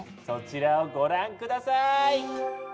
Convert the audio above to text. そちらをご覧下さい！